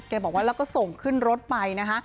บอกว่าแล้วก็ส่งขึ้นรถไปนะคะ